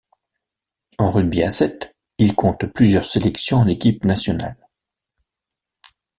En rugby à sept, il compte plusieurs sélections en équipe nationale.